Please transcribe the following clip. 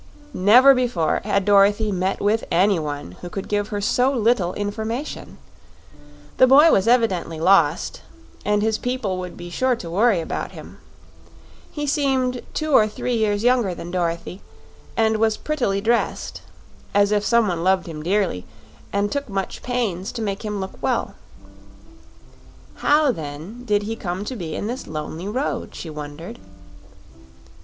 Never before had Dorothy met with anyone who could give her so little information. The boy was evidently lost, and his people would be sure to worry about him. He seemed two or three years younger than Dorothy, and was prettily dressed, as if someone loved him dearly and took much pains to make him look well. How, then, did he come to be in this lonely road? she wondered.